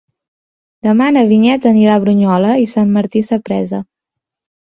Demà na Vinyet anirà a Brunyola i Sant Martí Sapresa.